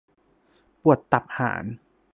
ปวดตับห่าน !